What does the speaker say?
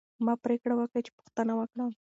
ما پریکړه وکړه چې پوښتنه وکړم.